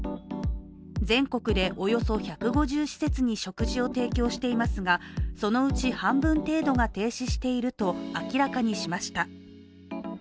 全国でおよそ１５０施設に食事を提供していますがそのうち半分程度が停止していると明らかにしました。